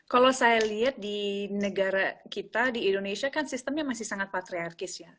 kalau saya lihat di negara kita di indonesia kan sistemnya masih sangat patriarkis ya